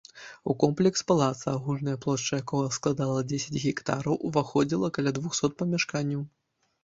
У комплекс палаца, агульная плошча якога складала дзесяць гектараў, уваходзіла каля двухсот памяшканняў.